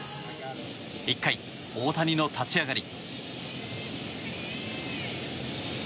１回、大谷の立ち上がり。